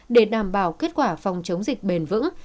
để đảm bảo kết quả phòng chống dịch bền vững